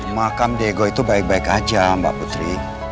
makam diego itu baik baik aja mbak putri